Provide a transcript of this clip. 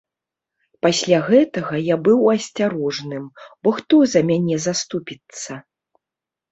Пасля гэтага я быў асцярожным, бо хто за мяне заступіцца?